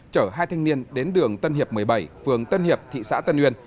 chở hai thanh niên đến đường tân hiệp một mươi bảy phường tân hiệp thị xã tân uyên